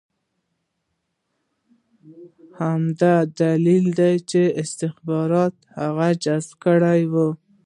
همدا دلیل و چې استخباراتو هغه جذب کړی و